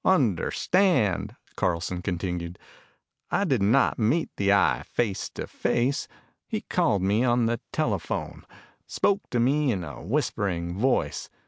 "Understand," Carlson continued, "I did not meet the Eye face to face. He called me on the telephone, spoke to me in a whispering voice.